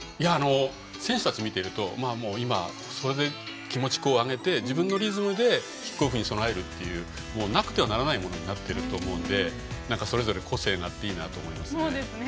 選手たちを見ていると今、それで気持ちを上げて自分のリズムでキックオフに備えるというなくてはならないものになってると思うのでそれぞれ個性があっていいなと思います。